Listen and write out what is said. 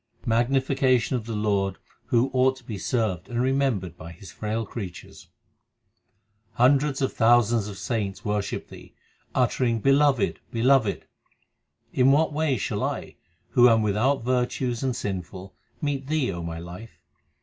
Magnification of the Lord who ought to be served and remembered by His frail creatures : Hundreds of thousands of saints worship Thee, uttering 1 Beloved, Beloved ! In what way shall I who am without virtues and sinful meet Thee, O my life